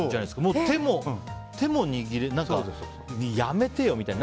もう手も握らないやめてよ、みたいな。